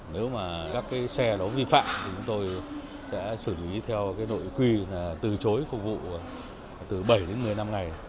nếu mà các cái xe đó vi phạm thì chúng tôi sẽ xử lý theo cái nội quy là từ chối phục vụ từ bảy đến một mươi năm ngày